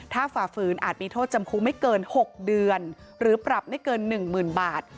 ถ้าฝ่าฝืนอาจมีโทษจำคุไม่เกินหกเดือนหรือปรับไม่เกินหนึ่งหมื่นบาท